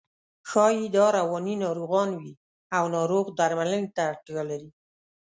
ښایي دا رواني ناروغان وي او ناروغ درملنې ته اړتیا لري.